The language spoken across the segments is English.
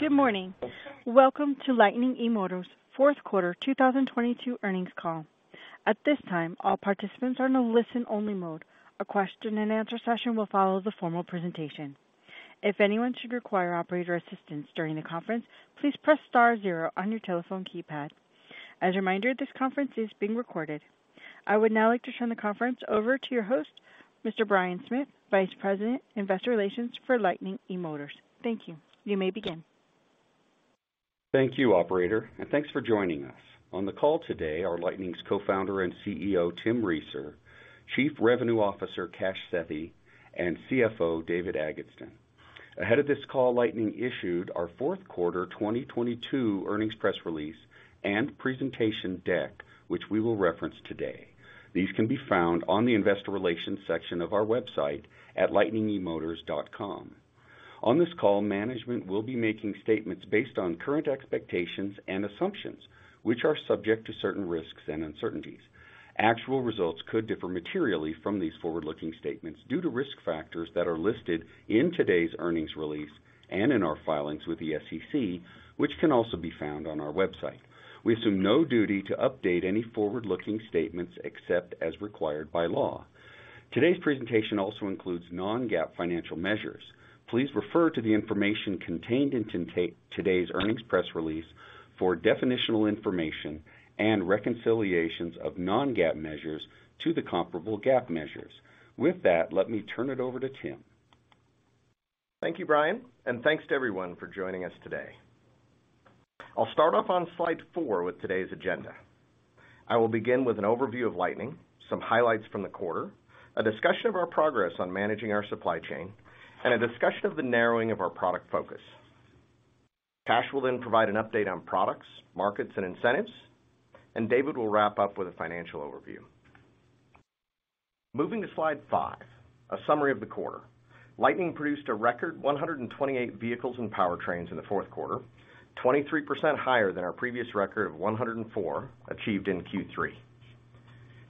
Good morning. Welcome to Lightning eMotors' fourth quarter 2022 earnings call. At this time, all participants are in a listen-only mode. A question-and-answer session will follow the formal presentation. If anyone should require operator assistance during the conference, please press star zero on your telephone keypad. As a reminder, this conference is being recorded. I would now like to turn the conference over to your host, Mr. Brian Smith, Vice President, Investor Relations for Lightning eMotors. Thank you. You may begin. Thank you, operator, and thanks for joining us. On the call today are Lightning's Co-Founder and CEO, Tim Reeser, Chief Revenue Officer, Kash Sethi, and CFO, David Agatston. Ahead of this call, Lightning issued our fourth quarter 2022 earnings press release and presentation deck, which we will reference today. These can be found on the Investor Relations section of our website at lightningemotors.com. On this call, management will be making statements based on current expectations and assumptions, which are subject to certain risks and uncertainties. Actual results could differ materially from these forward-looking statements due to risk factors that are listed in today's earnings release and in our filings with the SEC, which can also be found on our website. We assume no duty to update any forward-looking statements except as required by law. Today's presentation also includes non-GAAP financial measures. Please refer to the information contained in today's earnings press release for definitional information and reconciliations of non-GAAP measures to the comparable GAAP measures. With that, let me turn it over to Tim. Thank you, Brian. Thanks to everyone for joining us today. I'll start off on slide four with today's agenda. I will begin with an overview of Lightning, some highlights from the quarter, a discussion of our progress on managing our supply chain, and a discussion of the narrowing of our product focus. Kash will then provide an update on products, markets, and incentives. David will wrap up with a financial overview. Moving to slide five, a summary of the quarter. Lightning produced a record 128 vehicles and powertrains in the fourth quarter, 23% higher than our previous record of 104, achieved in Q3.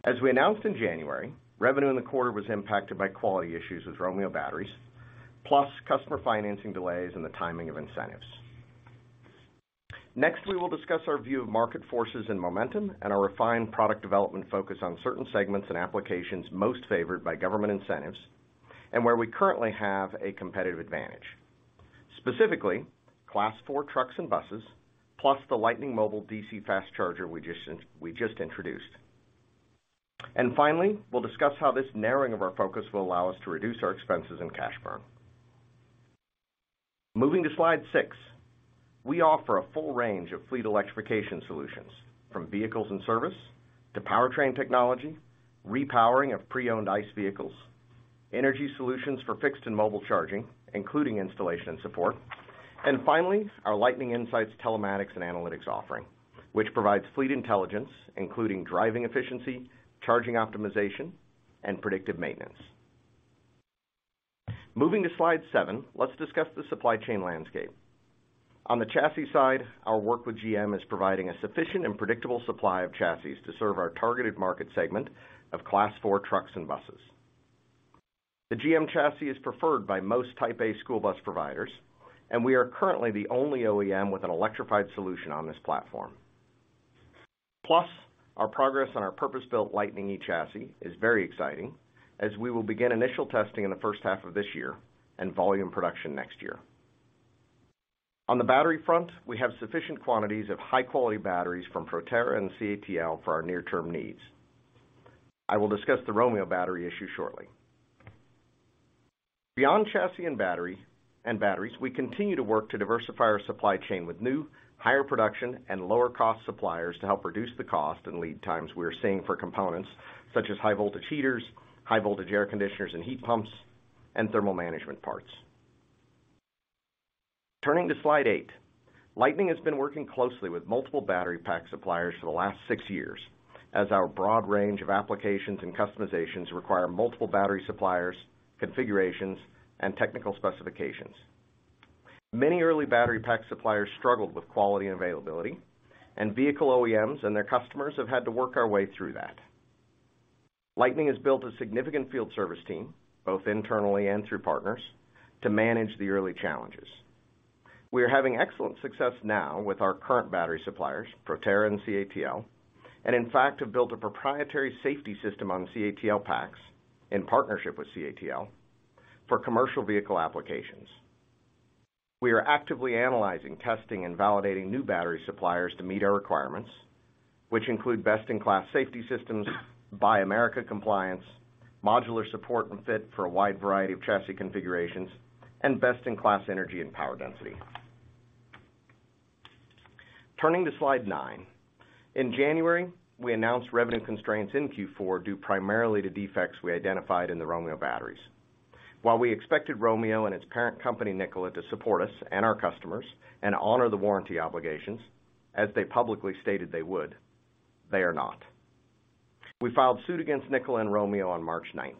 As we announced in January, revenue in the quarter was impacted by quality issues with Romeo batteries, plus customer financing delays and the timing of incentives. Next, we will discuss our view of market forces and momentum and our refined product development focus on certain segments and applications most favored by government incentives and where we currently have a competitive advantage, specifically Class 4 trucks and buses, plus the Lightning Mobile DC Fast Charger we just introduced. Finally, we'll discuss how this narrowing of our focus will allow us to reduce our expenses and cash burn. Moving to slide six. We offer a full range of fleet electrification solutions, from vehicles and service to powertrain technology, repowering of pre-owned ICE vehicles, energy solutions for fixed and mobile charging, including installation and support. Finally, our Lightning Insights telematics and analytics offering, which provides fleet intelligence, including driving efficiency, charging optimization, and predictive maintenance. Moving to slide seven, let's discuss the supply chain landscape. On the chassis side, our work with GM is providing a sufficient and predictable supply of chassis to serve our targeted market segment of Class 4 trucks and buses. The GM chassis is preferred by most Type A school bus providers, and we are currently the only OEM with an electrified solution on this platform. Our progress on our purpose-built Lightning eChassis is very exciting, as we will begin initial testing in the first half of this year and volume production next year. On the battery front, we have sufficient quantities of high-quality batteries from Proterra and CATL for our near-term needs. I will discuss the Romeo battery issue shortly. Beyond chassis and batteries, we continue to work to diversify our supply chain with new, higher production, and lower-cost suppliers to help reduce the cost and lead times we are seeing for components such as high voltage heaters, high voltage air conditioners and heat pumps, and thermal management parts. Turning to slide eight. Lightning has been working closely with multiple battery pack suppliers for the last six years, as our broad range of applications and customizations require multiple battery suppliers, configurations, and technical specifications. Many early battery pack suppliers struggled with quality and availability. Vehicle OEMs and their customers have had to work our way through that. Lightning has built a significant field service team, both internally and through partners, to manage the early challenges. We are having excellent success now with our current battery suppliers, Proterra and CATL, and in fact have built a proprietary safety system on CATL packs in partnership with CATL for commercial vehicle applications. We are actively analyzing, testing, and validating new battery suppliers to meet our requirements, which include best-in-class safety systems, Buy America compliance, modular support, and fit for a wide variety of chassis configurations, and best-in-class energy and power density. Turning to slide nine. In January, we announced revenue constraints in Q4 due primarily to defects we identified in the Romeo batteries. While we expected Romeo and its parent company, Nikola, to support us and our customers and honor the warranty obligations, as they publicly stated they would, they are not. We filed suit against Nikola and Romeo on March 9th.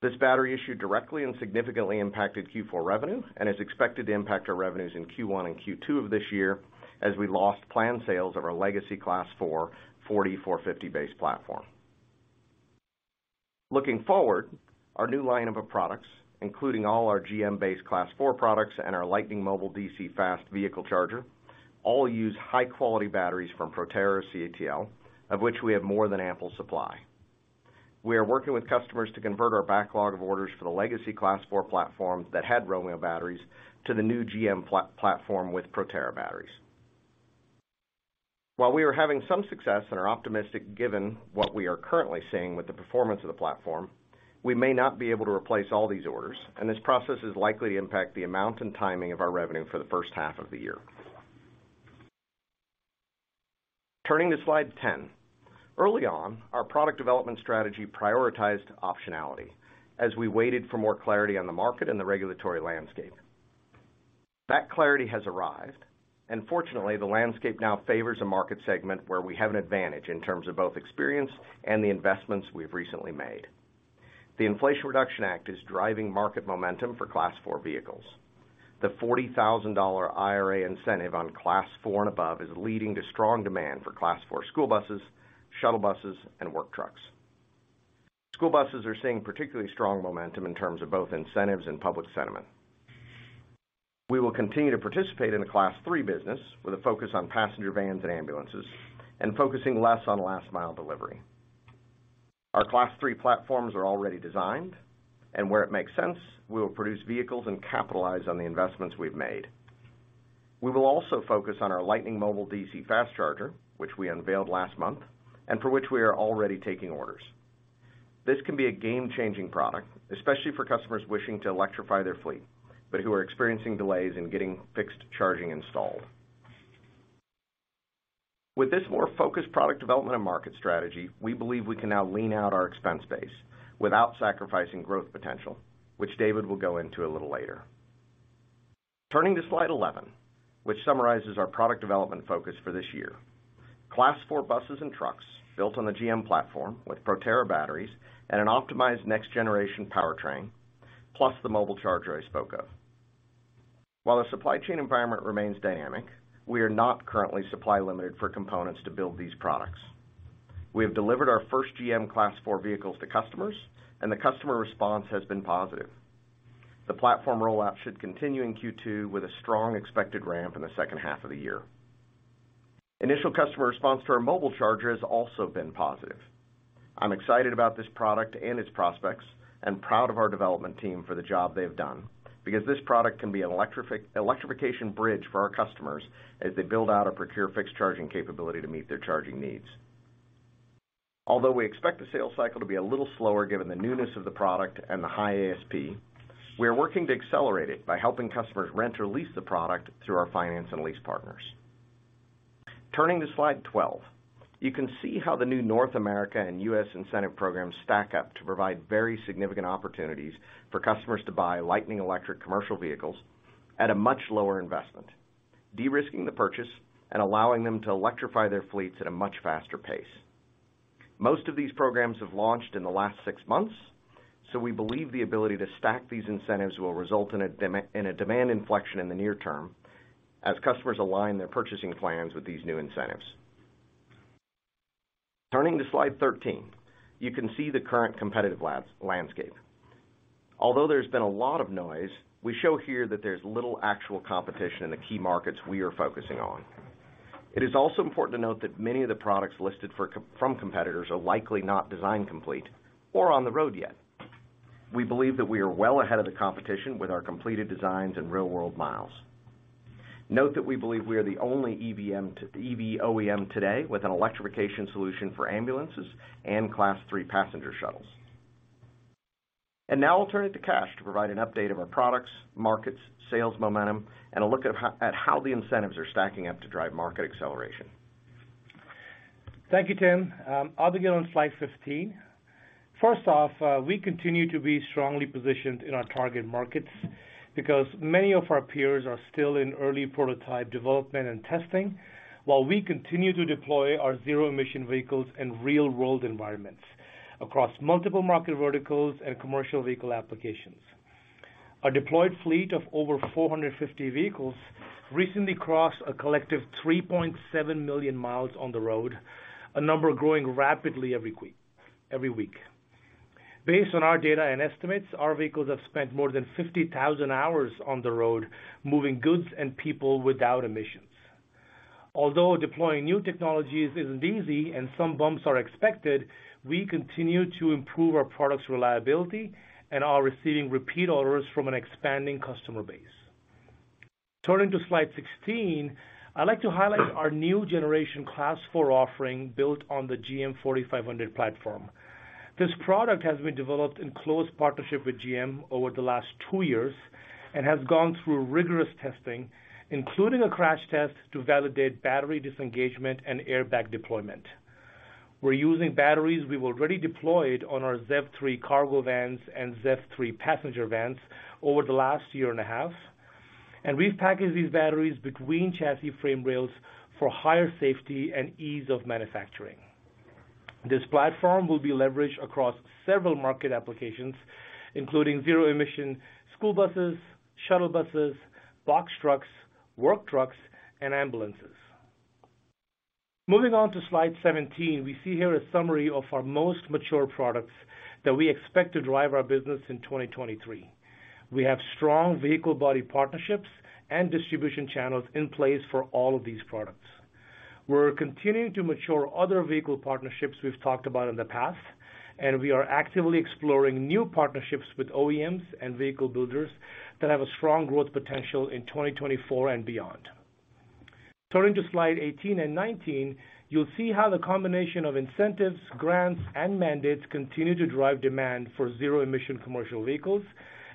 This battery issue directly and significantly impacted Q4 revenue and is expected to impact our revenues in Q1 and Q2 of this year as we lost planned sales of our legacy Class 4 E-450 base platform. Looking forward, our new line of products, including all our GM-based Class 4 products and our Lightning Mobile DC Fast vehicle charger, all use high-quality batteries from Proterra CATL, of which we have more than ample supply. We are working with customers to convert our backlog of orders for the legacy Class 4 platforms that had Romeo batteries to the new GM platform with Proterra batteries. While we are having some success and are optimistic given what we are currently seeing with the performance of the platform, we may not be able to replace all these orders, and this process is likely to impact the amount and timing of our revenue for the first half of the year. Turning to slide 10. Early on, our product development strategy prioritized optionality as we waited for more clarity on the market and the regulatory landscape. Fortunately, the landscape now favors a market segment where we have an advantage in terms of both experience and the investments we've recently made. The Inflation Reduction Act is driving market momentum for Class 4 vehicles. The $40,000 IRA incentive on Class 4 and above is leading to strong demand for Class 4 school buses, shuttle buses, and work trucks. School buses are seeing particularly strong momentum in terms of both incentives and public sentiment. We will continue to participate in the Class 3 business with a focus on passenger vans and ambulances and focusing less on last-mile delivery. Our Class 3 platforms are already designed, and where it makes sense, we will produce vehicles and capitalize on the investments we've made. We will also focus on our Lightning Mobile DC Fast Charger, which we unveiled last month, and for which we are already taking orders. This can be a game-changing product, especially for customers wishing to electrify their fleet, but who are experiencing delays in getting fixed charging installed. With this more focused product development and market strategy, we believe we can now lean out our expense base without sacrificing growth potential, which David will go into a little later. Turning to slide 11, which summarizes our product development focus for this year. Class 4 buses and trucks built on the GM platform with Proterra batteries and an optimized next-generation powertrain, plus the mobile charger I spoke of. While the supply chain environment remains dynamic, we are not currently supply-limited for components to build these products. We have delivered our first GM Class 4 vehicles to customers, the customer response has been positive. The platform rollout should continue in Q2 with a strong expected ramp in the second half of the year. Initial customer response to our mobile charger has also been positive. I'm excited about this product and its prospects and proud of our development team for the job they've done because this product can be an electrification bridge for our customers as they build out or procure fixed charging capability to meet their charging needs. We expect the sales cycle to be a little slower given the newness of the product and the high ASP, we are working to accelerate it by helping customers rent or lease the product through our finance and lease partners. Turning to slide 12. You can see how the new North America and U.S. incentive programs stack up to provide very significant opportunities for customers to buy Lightning electric commercial vehicles at a much lower investment, de-risking the purchase and allowing them to electrify their fleets at a much faster pace. Most of these programs have launched in the last six months, we believe the ability to stack these incentives will result in a demand inflection in the near term as customers align their purchasing plans with these new incentives. Turning to slide 13. You can see the current competitive landscape. Although there's been a lot of noise, we show here that there's little actual competition in the key markets we are focusing on. It is also important to note that many of the products listed from competitors are likely not design complete or on the road yet. We believe that we are well ahead of the competition with our completed designs and real-world miles. Note that we believe we are the only EV OEM today with an electrification solution for ambulances and Class 3 passenger shuttles. Now I'll turn it to Kash to provide an update of our products, markets, sales momentum, and a look at how the incentives are stacking up to drive market acceleration. Thank you, Tim. I'll begin on slide 15. First off, we continue to be strongly positioned in our target markets because many of our peers are still in early prototype development and testing while we continue to deploy our zero-emission vehicles in real-world environments across multiple market verticals and commercial vehicle applications. Our deployed fleet of over 450 vehicles recently crossed a collective 3.7 million miles on the road, a number growing rapidly every week. Based on our data and estimates, our vehicles have spent more than 50,000 hours on the road moving goods and people without emissions. Although deploying new technologies isn't easy and some bumps are expected, we continue to improve our product's reliability and are receiving repeat orders from an expanding customer base. Turning to slide 16, I'd like to highlight our new generation Class 4 offering built on the GM 4500 platform. This product has been developed in close partnership with GM over the last two years and has gone through rigorous testing, including a crash test to validate battery disengagement and airbag deployment. We're using batteries we've already deployed on our ZEV3 cargo vans and ZEV3 passenger vans over the last year and a half, and we've packaged these batteries between chassis frame rails for higher safety and ease of manufacturing. This platform will be leveraged across several market applications, including zero-emission school buses, shuttle buses, box trucks, work trucks, and ambulances. Moving on to slide 17, we see here a summary of our most mature products that we expect to drive our business in 2023. We have strong vehicle body partnerships and distribution channels in place for all of these products. We're continuing to mature other vehicle partnerships we've talked about in the past. We are actively exploring new partnerships with OEMs and vehicle builders that have a strong growth potential in 2024 and beyond. Turning to slide 18 and 19, you'll see how the combination of incentives, grants, and mandates continue to drive demand for zero-emission commercial vehicles.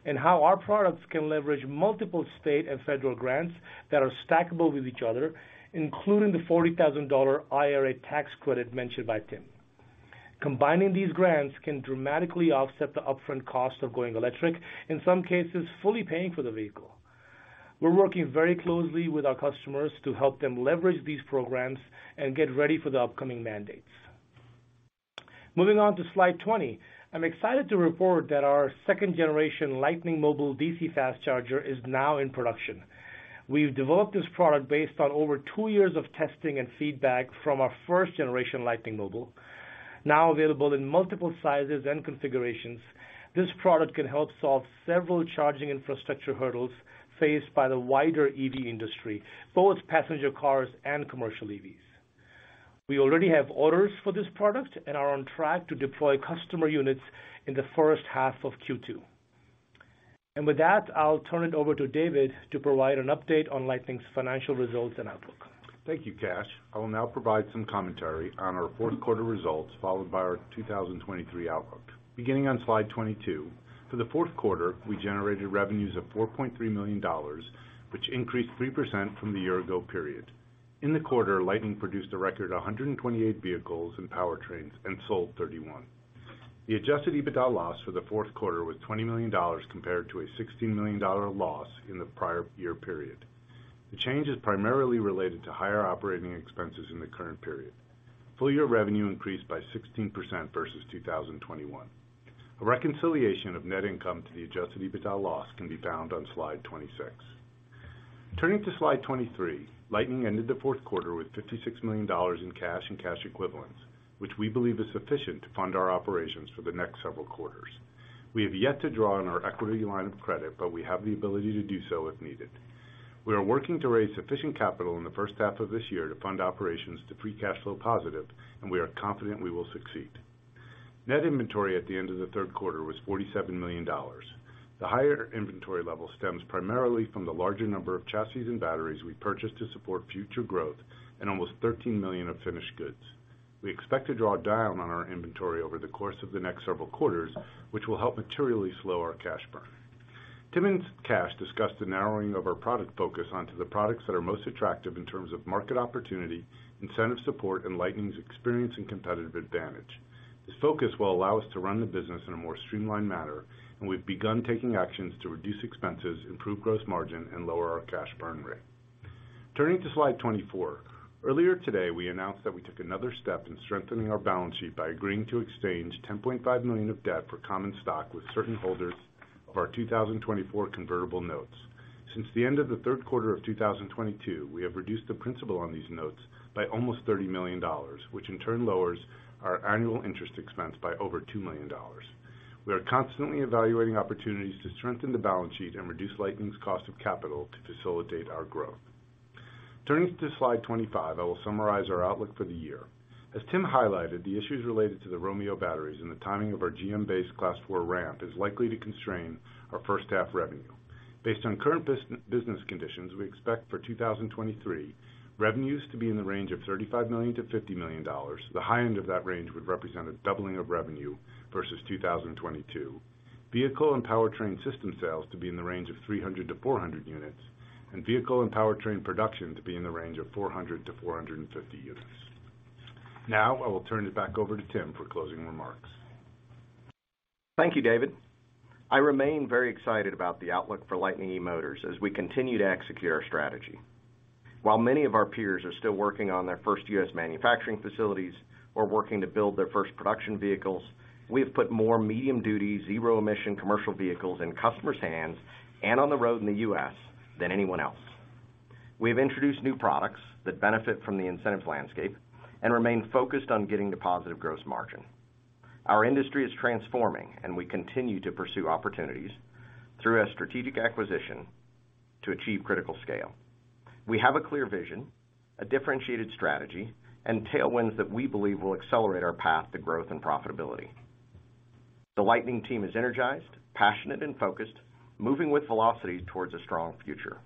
Our products can leverage multiple state and federal grants that are stackable with each other, including the $40,000 IRA tax credit mentioned by Tim. Combining these grants can dramatically offset the upfront cost of going electric, in some cases, fully paying for the vehicle. We're working very closely with our customers to help them leverage these programs and get ready for the upcoming mandates. Moving on to slide 20. I'm excited to report that our second-generation Lightning Mobile DC Fast Charger is now in production. We've developed this product based on over two years of testing and feedback from our first-generation Lightning Mobile. Available in multiple sizes and configurations, this product can help solve several charging infrastructure hurdles faced by the wider EV industry, both passenger cars and commercial EVs. We already have orders for this product and are on track to deploy customer units in the first half of Q2. With that, I'll turn it over to David to provide an update on Lightning's financial results and outlook. Thank you, Kash. I will now provide some commentary on our fourth quarter results, followed by our 2023 outlook. Beginning on slide 22, for the fourth quarter, we generated revenues of $4.3 million, which increased 3% from the year ago period. In the quarter, Lightning produced a record 128 vehicles and powertrains and sold 31. The adjusted EBITDA loss for the fourth quarter was $20 million compared to a $16 million loss in the prior year period. The change is primarily related to higher operating expenses in the current period. Full year revenue increased by 16% versus 2021. A reconciliation of net income to the adjusted EBITDA loss can be found on slide 26. Turning to slide 23, Lightning ended the fourth quarter with $56 million in cash and cash equivalents, which we believe is sufficient to fund our operations for the next several quarters. We have yet to draw on our equity line of credit, but we have the ability to do so if needed. We are working to raise sufficient capital in the first half of this year to fund operations to free cash flow positive, and we are confident we will succeed. Net inventory at the end of the third quarter was $47 million. The higher inventory level stems primarily from the larger number of chassis and batteries we purchased to support future growth and almost $13 million of finished goods. We expect to draw down on our inventory over the course of the next several quarters, which will help materially slow our cash burn. Tim and Kash discussed the narrowing of our product focus onto the products that are most attractive in terms of market opportunity, incentive support, and Lightning's experience and competitive advantage. We've begun taking actions to reduce expenses, improve gross margin, and lower our cash burn rate. Turning to slide 24. Earlier today, we announced that we took another step in strengthening our balance sheet by agreeing to exchange $10.5 million of debt for common stock with certain holders of our 2024 convertible notes. Since the end of the third quarter of 2022, we have reduced the principal on these notes by almost $30 million, which in turn lowers our annual interest expense by over $2 million. We are constantly evaluating opportunities to strengthen the balance sheet and reduce Lightning's cost of capital to facilitate our growth. Turning to slide 25, I will summarize our outlook for the year. As Tim highlighted, the issues related to the Romeo batteries and the timing of our GM-based Class 4 ramp is likely to constrain our first half revenue. Based on current business conditions, we expect for 2023, revenues to be in the range of $35 million-$50 million. The high end of that range would represent a doubling of revenue versus 2022. Vehicle and powertrain system sales to be in the range of 300-400 units, and vehicle and powertrain production to be in the range of 400-450 units. I will turn it back over to Tim for closing remarks. Thank you, David. I remain very excited about the outlook for Lightning eMotors as we continue to execute our strategy. While many of our peers are still working on their first U.S. manufacturing facilities or working to build their first production vehicles, we have put more medium-duty, zero-emission commercial vehicles in customers' hands and on the road in the U.S. than anyone else. We have introduced new products that benefit from the incentives landscape and remain focused on getting to positive gross margin. Our industry is transforming, and we continue to pursue opportunities through a strategic acquisition to achieve critical scale. We have a clear vision, a differentiated strategy, and tailwinds that we believe will accelerate our path to growth and profitability. The Lightning team is energized, passionate, and focused, moving with velocity towards a strong future.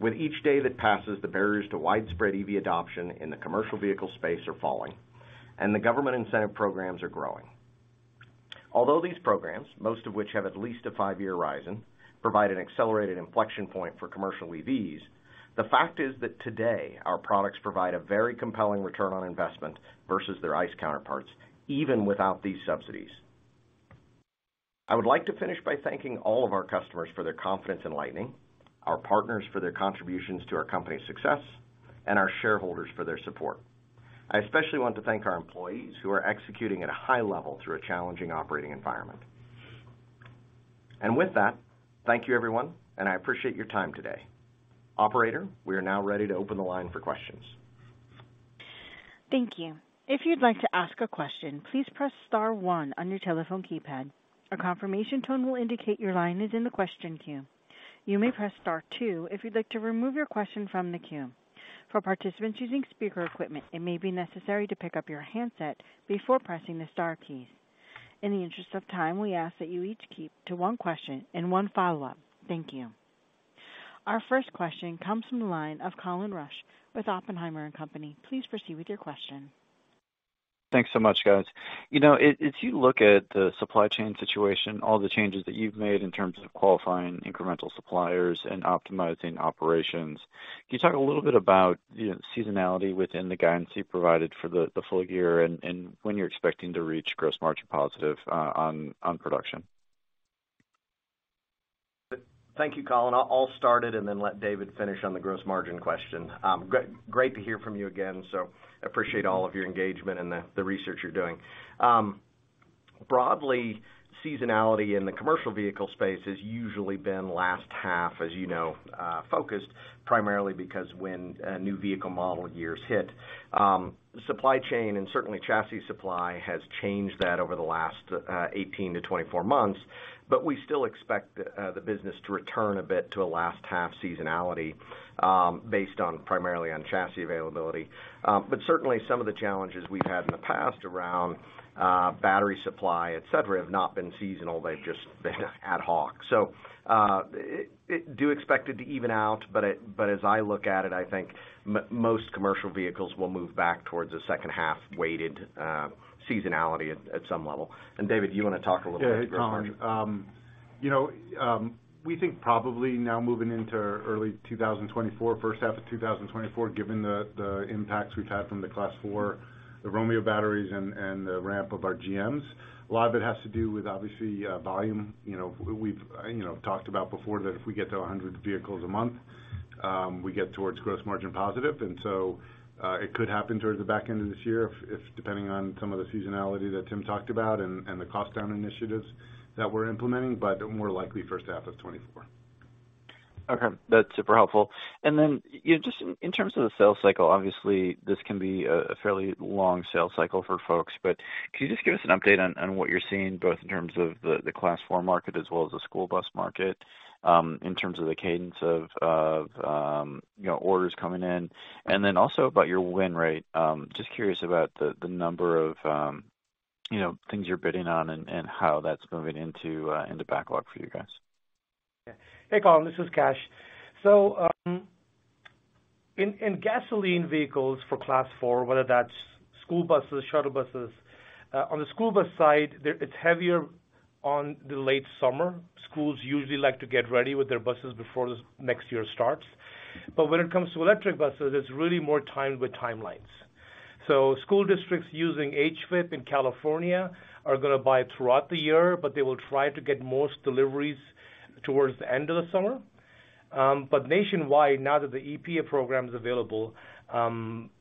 With each day that passes, the barriers to widespread EV adoption in the commercial vehicle space are falling, the government incentive programs are growing. Although these programs, most of which have at least a five-year horizon, provide an accelerated inflection point for commercial EVs, the fact is that today, our products provide a very compelling return on investment versus their ICE counterparts, even without these subsidies. I would like to finish by thanking all of our customers for their confidence in Lightning, our partners for their contributions to our company's success, and our shareholders for their support. I especially want to thank our employees who are executing at a high level through a challenging operating environment. With that, thank you everyone, and I appreciate your time today. Operator, we are now ready to open the line for questions. Thank you. If you'd like to ask a question, please press star one on your telephone keypad. A confirmation tone will indicate your line is in the question queue. You may press star two if you'd like to remove your question from the queue. For participants using speaker equipment, it may be necessary to pick up your handset before pressing the star keys. In the interest of time, we ask that you each keep to one question and one follow-up. Thank you. Our first question comes from the line of Colin Rusch with Oppenheimer & Co. Please proceed with your question. Thanks so much, guys. You know, as you look at the supply chain situation, all the changes that you've made in terms of qualifying incremental suppliers and optimizing operations, can you talk a little bit about, you know, seasonality within the guidance you provided for the full year and when you're expecting to reach gross margin positive on production? Thank you, Colin. I'll start it and then let David finish on the gross margin question. Great to hear from you again. Appreciate all of your engagement and the research you're doing. Broadly, seasonality in the commercial vehicle space has usually been last half, as you know, focused primarily because when a new vehicle model years hit, supply chain and certainly chassis supply has changed that over the last 18-24 months. We still expect the business to return a bit to a last half seasonality, based on primarily on chassis availability. Certainly some of the challenges we've had in the past around battery supply, et cetera, have not been seasonal. They've just been ad hoc. Do expect it to even out, but as I look at it, I think most commercial vehicles will move back towards the second half weighted, seasonality at some level. David, you want to talk a little bit? Yeah. Colin, you know, we think probably now moving into early 2024, first half of 2024, given the impacts we've had from the Class 4, the Romeo batteries and the ramp of our GMs, a lot of it has to do with obviously, volume. You know, we've, you know, talked about before that if we get to 100 vehicles a month, we get towards gross margin positive. It could happen towards the back end of this year if depending on some of the seasonality that Tim talked about and the cost down initiatives that we're implementing. More likely first half of 2024. Okay, that's super helpful. Just in terms of the sales cycle, obviously this can be a fairly long sales cycle for folks, but can you just give us an update on what you're seeing both in terms of the Class 4 market as well as the school bus market, in terms of the cadence of, you know, orders coming in. Also about your win rate, just curious about the number of, you know, things you're bidding on and how that's moving into the backlog for you guys? Hey, Colin, this is Kash. In gasoline vehicles for Class 4, whether that's school buses, shuttle buses. On the school bus side, it's heavier on the late summer. Schools usually like to get ready with their buses before the next year starts. When it comes to electric buses, it's really more timed with timelines. School districts using HVIP in California are going to buy throughout the year, but they will try to get most deliveries towards the end of the summer. Nationwide, now that the EPA program is available,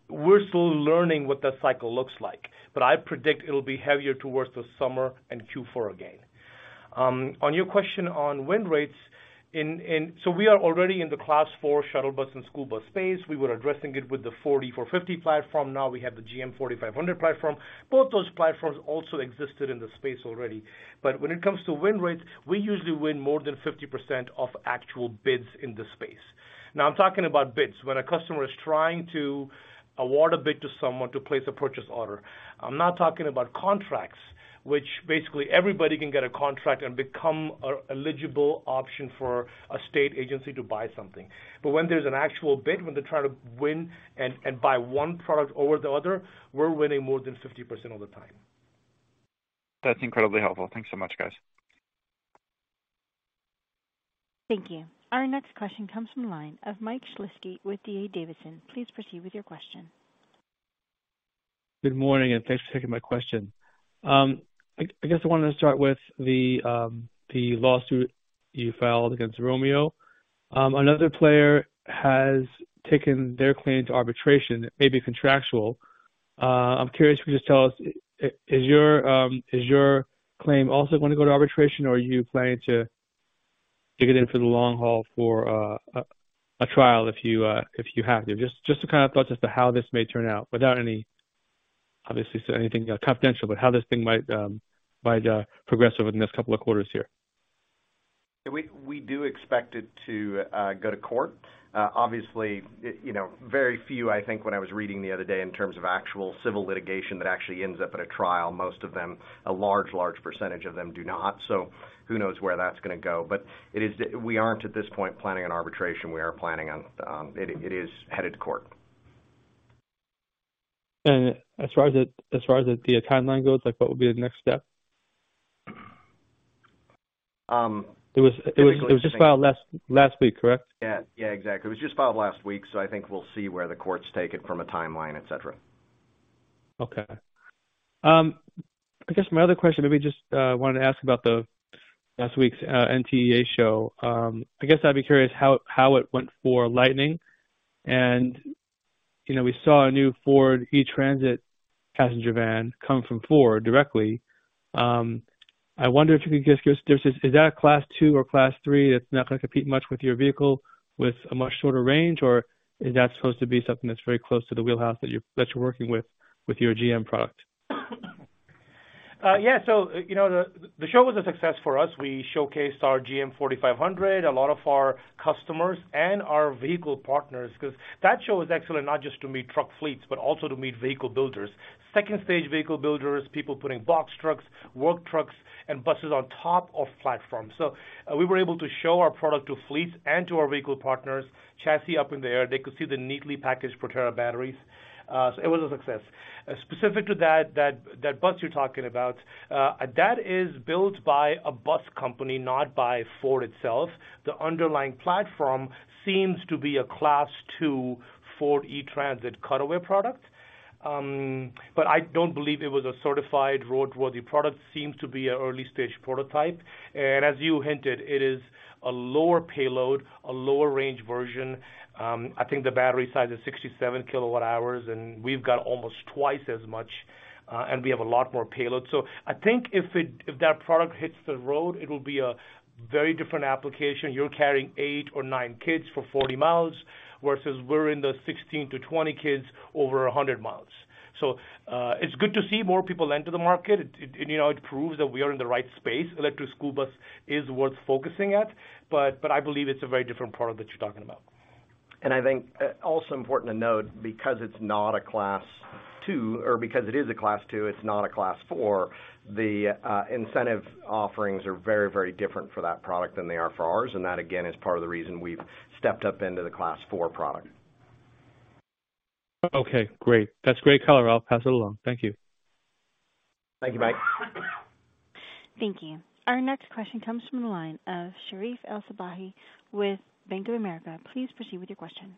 we're still learning what that cycle looks like, but I predict it'll be heavier towards the summer and Q4 again. On your question on win rates, we are already in the Class 4 shuttle bus and school bus space. We were addressing it with the E-450 platform. We have the GM 4500 platform. Both those platforms also existed in the space already. When it comes to win rates, we usually win more than 50% of actual bids in the space. I'm talking about bids. When a customer is trying to award a bid to someone to place a purchase order. I'm not talking about contracts, which basically everybody can get a contract and become an eligible option for a state agency to buy something. When there's an actual bid, when they're trying to win and buy one product over the other, we're winning more than 50% all the time. That's incredibly helpful. Thanks so much, guys. Thank you. Our next question comes from the line of Mike Shlisky with D.A. Davidson. Please proceed with your question. Good morning, and thanks for taking my question. I guess I wanted to start with the lawsuit you filed against Romeo. Another player has taken their claim to arbitration. It may be contractual. I'm curious if you could just tell us, is your claim also going to go to arbitration, or are you planning to take it in for the long haul for a trial if you have to? Just to kind of thoughts as to how this may turn out without any, obviously anything confidential, but how this thing might progress over the next couple of quarters here. We do expect it to go to court. Obviously, you know, very few, I think, when I was reading the other day in terms of actual civil litigation that actually ends up at a trial. Most of them, a large percentage of them do not. Who knows where that's going to go. We aren't at this point, planning an arbitration. We are planning on, it is headed to court. As far as the timeline goes, like, what would be the next step? Um. It was just filed last week, correct? Yeah. Yeah, exactly. It was just filed last week, so I think we'll see where the courts take it from a timeline, et cetera. Okay. I guess my other question, maybe just wanted to ask about the last week's NTEA show. I guess I'd be curious how it went for Lightning. You know, we saw a new Ford E-Transit passenger van come from Ford directly. I wonder if you could give us, is that a Class 2 or Class 3 that's not gonna compete much with your vehicle with a much shorter range, or is that supposed to be something that's very close to the wheelhouse that you're working with your GM product? Yeah. You know, the show was a success for us. We showcased our GM 4500, a lot of our customers and our vehicle partners, because that show is excellent, not just to meet truck fleets, but also to meet vehicle builders. Second stage vehicle builders, people putting box trucks, work trucks and buses on top of platforms. We were able to show our product to fleets and to our vehicle partners. Chassis up in the air, they could see the neatly packaged Proterra batteries. It was a success. Specific to that bus you're talking about, that is built by a bus company, not by Ford itself. The underlying platform seems to be a Class 2 Ford E-Transit cutaway product. I don't believe it was a certified roadworthy product. Seems to be an early stage prototype. As you hinted, it is a lower payload, a lower range version. I think the battery size is 67 kilowatt hours, and we've got almost twice as much, and we have a lot more payload. I think if that product hits the road, it'll be a very different application. You're carrying eight or nine kids for 40 miles, versus we're in the 16 to 20 kids over 100 miles. It's good to see more people enter the market. It, you know, it proves that we are in the right space. Electric school bus is worth focusing at, but I believe it's a very different product that you're talking about. I think also important to note, because it's not a Class 2 or because it is a Class 2, it's not a Class 4, the incentive offerings are very, very different for that product than they are for ours. That again, is part of the reason we've stepped up into the Class 4 product. Okay, great. That's great color. I'll pass it along. Thank you. Thank you. Bye. Thank you. Our next question comes from the line of Sherif El-Sabbahy with Bank of America. Please proceed with your question.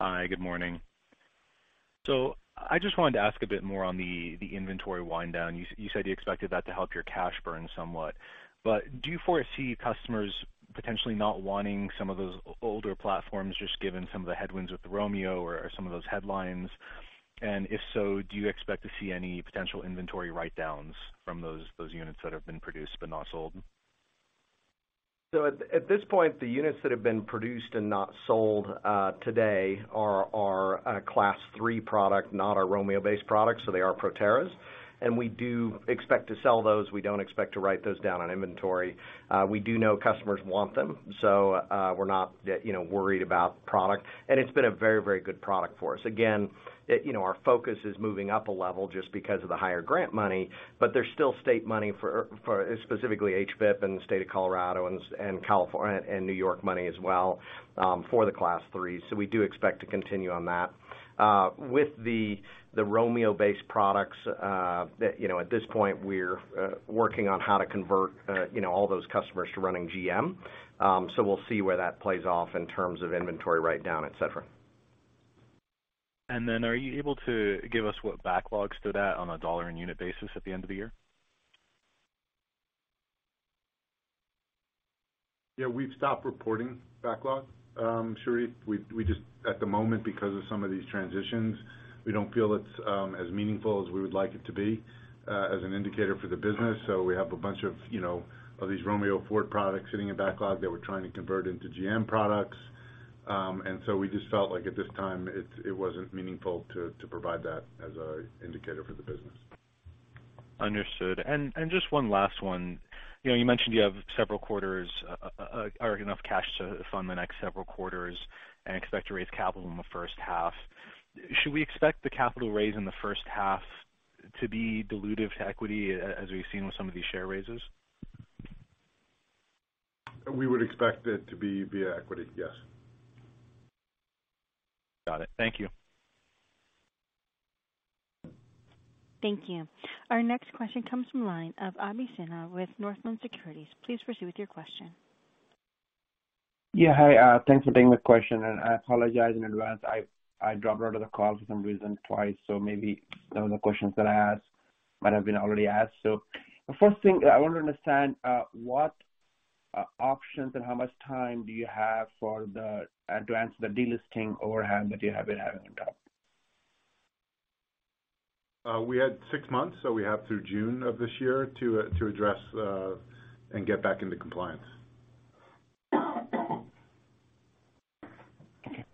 Hi, good morning. I just wanted to ask a bit more on the inventory wind down. You said you expected that to help your cash burn somewhat, but do you foresee customers potentially not wanting some of those older platforms, just given some of the headwinds with the Romeo or some of those headlines? If so, do you expect to see any potential inventory write-downs from those units that have been produced but not sold? At this point, the units that have been produced and not sold today are a Class 3 product, not our Romeo-based products, so they are Proterras. We do expect to sell those. We don't expect to write those down on inventory. We do know customers want them. We're not, you know, worried about product. It's been a very good product for us. Again, you know, our focus is moving up a level just because of the higher grant money. There's still state money for specifically HVIP in the state of Colorado and New York money as well for the Class 3s. We do expect to continue on that. With the Romeo-based products, that, you know, at this point we're working on how to convert, you know, all those customers to running GM. We'll see where that plays off in terms of inventory write-down, et cetera. Are you able to give us what backlogs to that on a dollar and unit basis at the end of the year? Yeah, we've stopped reporting backlog, Sherif. We just at the moment, because of some of these transitions, we don't feel it's as meaningful as we would like it to be as an indicator for the business. We have a bunch of, you know, of these Romeo Ford products sitting in backlog that we're trying to convert into GM products. We just felt like at this time it wasn't meaningful to provide that as a indicator for the business. Understood. Just one last one. You know, you mentioned you have several quarters, or enough cash to fund the next several quarters and expect to raise capital in the first half. Should we expect the capital raise in the first half to be dilutive to equity, as we've seen with some of these share raises? We would expect it to be via equity, yes. Got it. Thank you. Thank you. Our next question comes from line of Abhi Sinha with Northland Securities. Please proceed with your question. Yeah. Hi, thanks for taking the question, and I apologize in advance. I dropped out of the call for some reason twice, so maybe some of the questions that I asked might have been already asked. The first thing I want to understand, what options and how much time do you have to answer the delisting overhang that you have been having on top? We had six months, so we have through June of this year to address and get back into compliance. Okay.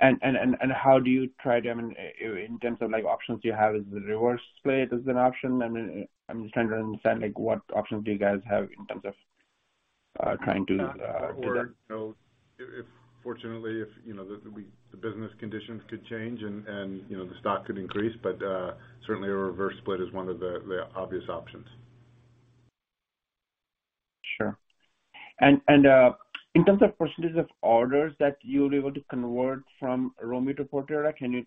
I mean in terms of like, options you have, is the reverse split is an option? I mean, I'm just trying to understand, like what options do you guys have in terms of, trying to, do that? You know, if fortunately if, you know, the business conditions could change and, you know, the stock could increase. Certainly a reverse split is one of the obvious options. Sure. In terms of percentage of orders that you'll be able to convert from Romeo Power to Proterra,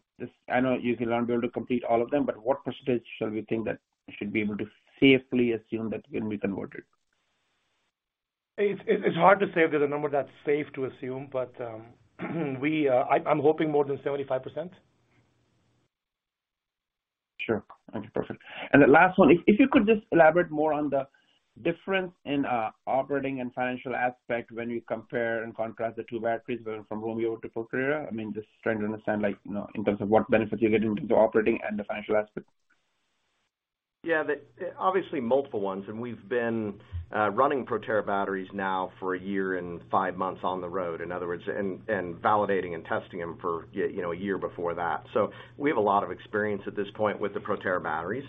I know you will not be able to complete all of them, but what percentage shall we think that we should be able to safely assume that can be converted? It's hard to say if there's a number that's safe to assume, but we, I'm hoping more than 75%. Sure. Okay, perfect. The last one, if you could just elaborate more on the difference in operating and financial aspect when you compare and contrast the two batteries going from Romeo to Proterra? I mean, just trying to understand, like, you know, in terms of what benefits you get into the operating and the financial aspects. Obviously multiple ones, and we've been running Proterra batteries now for one year and five months on the road, in other words, and validating and testing them for you know, one year before that. We have a lot of experience at this point with the Proterra batteries.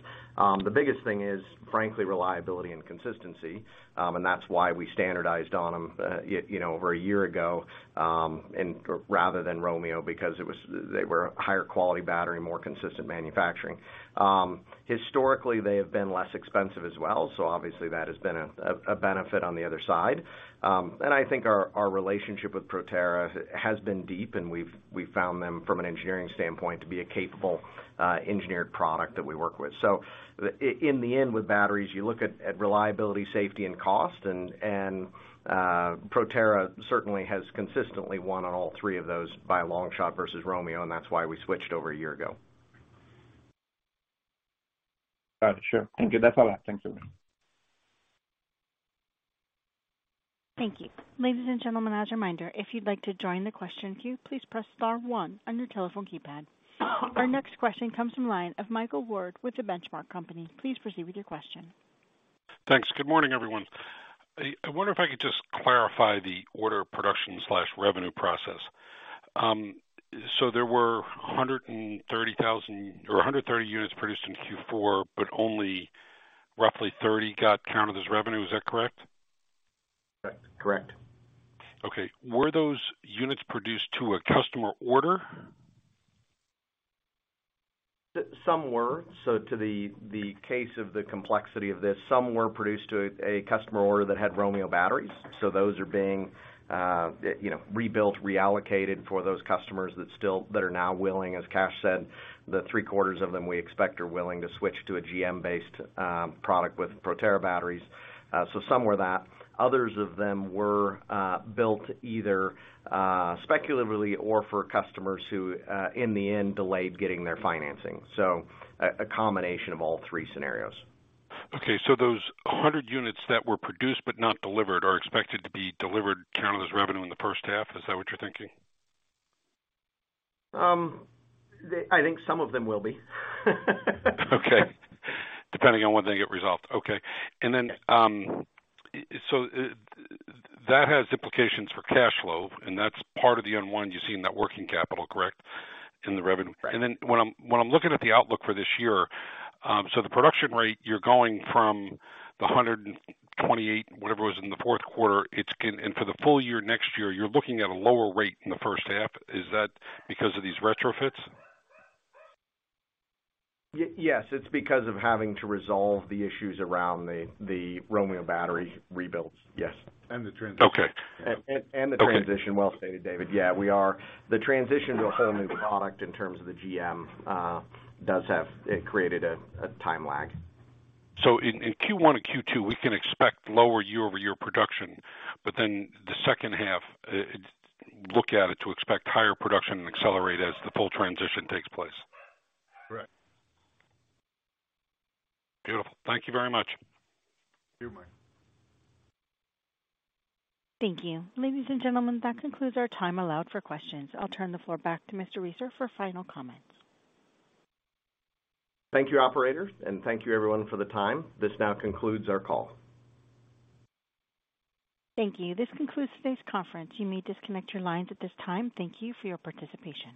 The biggest thing is, frankly, reliability and consistency. That's why we standardized on them, you know, over one year ago, and rather than Romeo because they were a higher quality battery, more consistent manufacturing. Historically, they have been less expensive as well. Obviously that has been a benefit on the other side. I think our relationship with Proterra has been deep, and we've found them from an engineering standpoint to be a capable engineered product that we work with. In the end, with batteries, you look at reliability, safety and cost and Proterra certainly has consistently won on all three of those by a long shot versus Romeo, and that's why we switched over a year ago. Got it. Sure. Thank you. That's all. Thanks, everyone. Thank you. Ladies and gentlemen, as a reminder, if you'd like to join the question queue, please press star one on your telephone keypad. Our next question comes from line of Michael Ward with The Benchmark Company. Please proceed with your question. Thanks. Good morning, everyone. I wonder if I could just clarify the order of production/revenue process. There were 130,000 or 130 units produced in Q4, but only roughly 30 got counted as revenue. Is that correct? Correct. Okay. Were those units produced to a customer order? Some were. To the case of the complexity of this, some were produced to a customer order that had Romeo batteries. Those are being, you know, rebuilt, reallocated for those customers that are now willing, as Kash said, that three-quarters of them we expect are willing to switch to a GM based product with Proterra batteries. Some were that. Others of them were built either speculatively or for customers who in the end delayed getting their financing. A combination of all three scenarios. Those 100 units that were produced but not delivered are expected to be delivered, counted as revenue in the first half. Is that what you're thinking? I think some of them will be. Okay. Depending on when they get resolved. Okay. Yes. That has implications for cash flow, and that's part of the unwind you see in net working capital, correct? In the revenue. Correct. When I'm, when I'm looking at the outlook for this year, so the production rate, you're going from the 128, whatever it was in the fourth quarter, and for the full year next year, you're looking at a lower rate in the first half. Is that because of these retrofits? yes, it's because of having to resolve the issues around the Romeo battery rebuilds, yes. The transition. Okay. The transition. Well stated, David. Yeah, we are. The transition to a whole new product in terms of the GM created a time lag. In Q1 and Q2, we can expect lower year-over-year production, the second half, look at it to expect higher production and accelerate as the full transition takes place. Correct. Beautiful. Thank you very much. Thank you, Mike. Thank you. Ladies and gentlemen, that concludes our time allowed for questions. I'll turn the floor back to Mr. Reeser for final comments. Thank you, operator, and thank you everyone for the time. This now concludes our call. Thank you. This concludes today's conference. You may disconnect your lines at this time. Thank you for your participation.